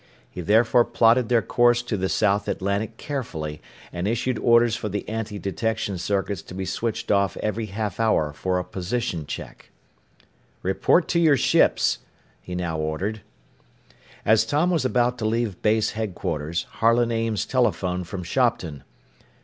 He therefore plotted their course to the South Atlantic carefully, and issued orders for the antidetection circuits to be switched off every half hour for a position check. "Report to your ships," he now ordered. As Tom was about to leave base headquarters, Harlan Ames telephoned from Shopton.